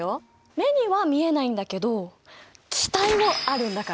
目には見えないんだけど気体もあるんだから！